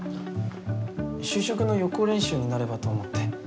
就職の予行練習になればと思って。